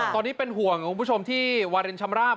ตอนนี้เป็นห่วงคุณผู้ชมที่วารินชำราบ